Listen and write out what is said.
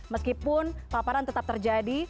meskipun paparan tetap terjadi